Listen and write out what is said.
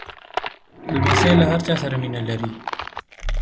لمسی له هر چا سره مینه لري.